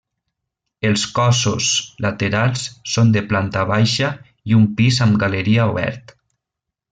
Els cossos laterals són de planta baixa i un pis amb galeria obert.